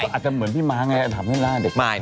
อาจจะเหมือนพี่ม้าไงทำให้หน้าเด็ก